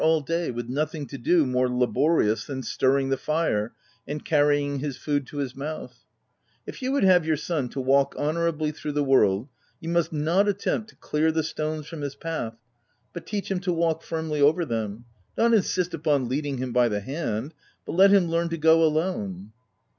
all day, with nothing to do more laborious than stirring the fire, and carry ing his food to his mouth ? If you would have your son to walk honourably through the world, you must not attempt to clear the stones from his path, but teach him to walk firmly over them — not insist upon leading him by the hand, but let him learn to go alone.